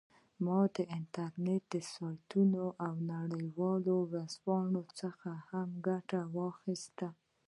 ما د انټرنیټي سایټونو او نړیوالو ورځپاڼو څخه هم ګټه واخیسته